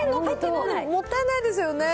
もったいないですよね。